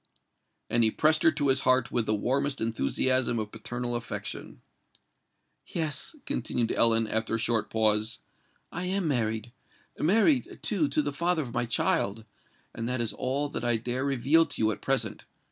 And he pressed her to his heart with the warmest enthusiasm of paternal affection. "Yes," continued Ellen, after a short pause, "I am married—married, too, to the father of my child;—and that is all that I dare reveal to you at present!